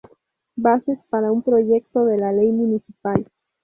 Bases para un proyecto de la Ley Municipal".